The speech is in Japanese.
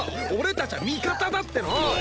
俺たちゃ味方だっての！